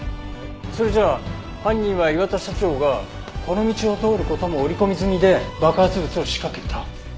それじゃ犯人は磐田社長がこの道を通る事も織り込み済みで爆発物を仕掛けた。